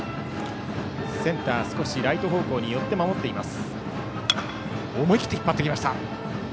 センターは少しライト方向に寄って守っています。